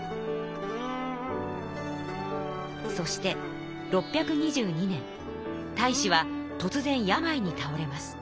そして６２２年太子はとつぜん病にたおれます。